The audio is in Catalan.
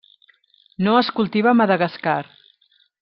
No es cultiva a Madagascar.